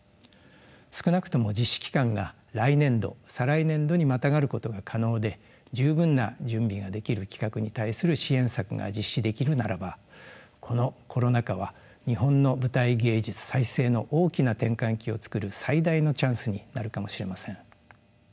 少なくとも実施期間が来年度再来年度にまたがることが可能で十分な準備ができる企画に対する支援策が実施できるならばこのコロナ禍は日本の舞台芸術再生の大きな転換期を作る最大のチャンスになるかもしれません。